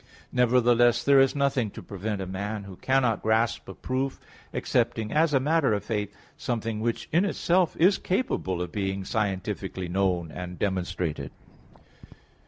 Nevertheless, there is nothing to prevent a man, who cannot grasp a proof, accepting, as a matter of faith, something which in itself is capable of being scientifically known and demonstrated.